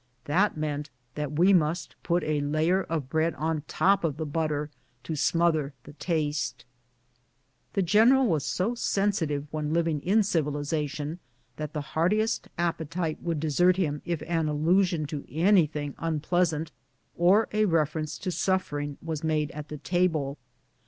That meant that we must put a layer of bread on top of the butter to smother the taste. The general was so sensitive when living in civiliza tion that the heartiest appetite would desert him if an allusion to anything unpleasant or a reference to suffer ing was made at the table.